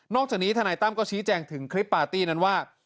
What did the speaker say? จากนี้ทนายตั้มก็ชี้แจงถึงคลิปปาร์ตี้นั้นว่า